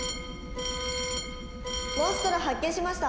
「モンストロ発見しました。